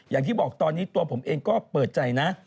อย่างที่บอกตอนนี้ตัวผมเองก็เปิดใจนะ